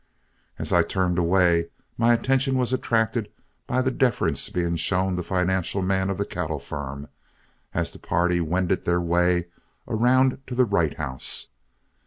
As I turned away, my attention was attracted by the deference being shown the financial man of the cattle firm, as the party wended their way around to the Wright House.